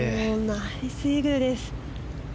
ナイスイーグルです。